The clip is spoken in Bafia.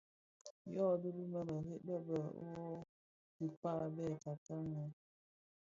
Yodhi, bi mereb be be, wuo a dhikpa, bè tatanèn,